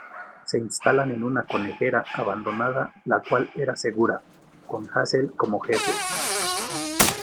Se instalan en una conejera abandonada la cual era segura, con Hazel como jefe.